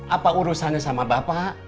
apa urusannya sama bapak